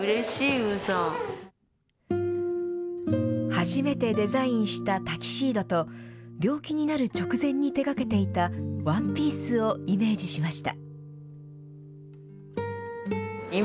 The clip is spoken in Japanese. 初めてデザインしたタキシードと、病気になる直前に手がけていたワンピースをイメージしました。